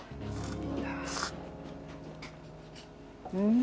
うん。